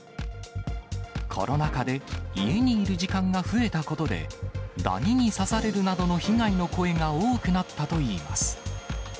コロナ禍で家にいる時間が増えたことで、ダニに刺されるなどの被害の声が多くなったといいます。